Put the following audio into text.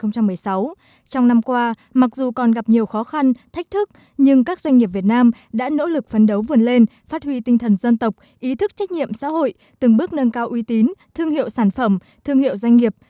trong năm qua mặc dù còn gặp nhiều khó khăn thách thức nhưng các doanh nghiệp việt nam đã nỗ lực phấn đấu vươn lên phát huy tinh thần dân tộc ý thức trách nhiệm xã hội từng bước nâng cao uy tín thương hiệu sản phẩm thương hiệu doanh nghiệp